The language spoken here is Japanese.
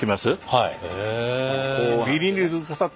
はい。